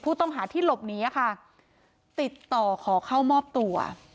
ผู้ต้องหาที่หลบหนีค่ะติดต่อขอเข้ามอบตัว